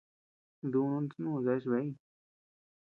Dunun snu deachea bëeñ.